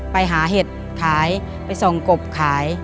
ไปหาเห็ดขายไปส่งกบขาย